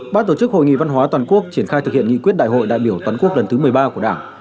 bác tổ chức hội nghị văn hóa toàn quốc triển khai thực hiện nghị quyết đại hội đại biểu toàn quốc lần thứ một mươi ba của đảng